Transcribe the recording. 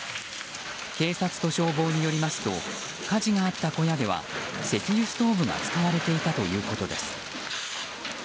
警察と消防によりますと火事があった小屋では石油ストーブが使われていたということです。